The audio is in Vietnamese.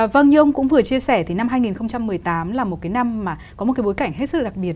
vâng như ông cũng vừa chia sẻ thì năm hai nghìn một mươi tám là một cái năm mà có một cái bối cảnh hết sức đặc biệt